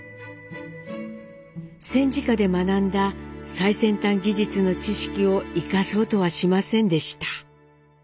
戦時下で学んだ最先端技術の知識を生かそうとはしませんでした。